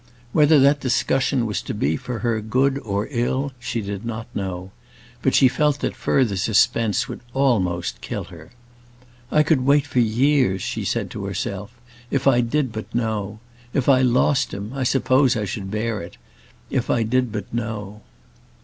Whether that discussion was to be for her good or ill she did not know; but she felt that further suspense would almost kill her. "I could wait for years," she said to herself, "if I did but know. If I lost him, I suppose I should bear it, if I did but know."